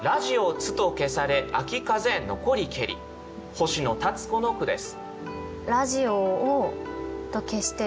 星野立子の句です。